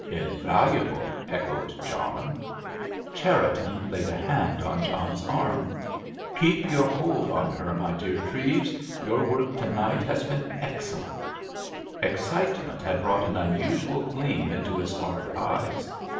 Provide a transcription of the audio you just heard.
"Invaluable!" echoed John. Cherriton laid a hand on John's arm. "Keep your hold on her, my dear Treves. Your work to night has been excellent!" Excitement had brought an unusual gleam into his hard eyes.